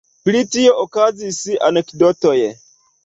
Pri tio okazis anekdotoj.